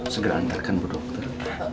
segera antarkan bu dokter